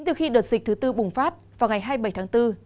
từ khi đợt dịch thứ tư bùng phát vào ngày hai mươi bảy tháng bốn